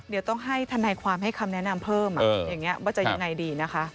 เดี๋ยวต้องให้ทนายความให้คำแนะนำเพิ่มอย่างนี้ว่าจะยังไงดีนะคะ